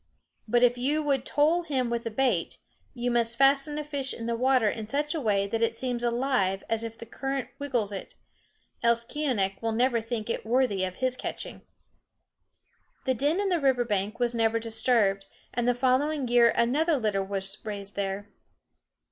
But if you would toll him with a bait, you must fasten a fish in the water in such a way that it seems alive as the current wiggles it, else Keeonekh will never think it worthy of his catching. The den in the river bank was never disturbed, and the following year another litter was raised there.